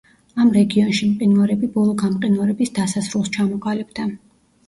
ამ რეგიონში მყინვარები ბოლო გამყინვარების დასასრულს ჩამოყალიბდა.